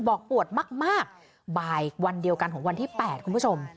ปวดมากบ่ายวันเดียวกันของวันที่๘คุณผู้ชม